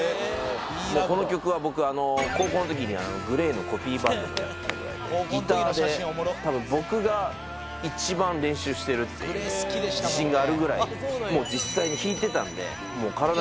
もうこの曲は僕あの高校の時にＧＬＡＹのコピーバンドもやってたぐらいでギターでたぶん僕が一番練習してるっていう自信があるぐらいさあ